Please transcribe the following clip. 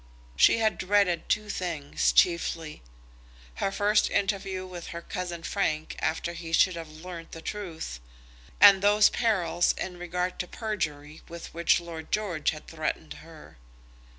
She had dreaded two things chiefly, her first interview with her cousin Frank after he should have learned the truth, and those perils in regard to perjury with which Lord George had threatened her.